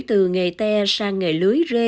từ nghề te sang nghề lưới rê